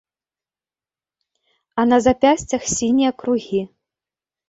А на запясцях сінія кругі.